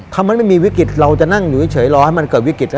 ถ้ามันไม่มีวิกฤตเราจะนั่งอยู่เฉยรอให้มันเกิดวิกฤต